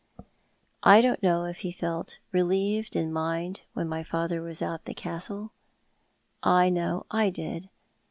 I don't know if he felt relieved in mind when my father was outside the castle. I know I did.